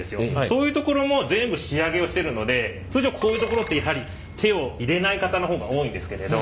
そういうところも全部仕上げをしてるので通常こういうところってやはり手を入れない方の方が多いんですけれど。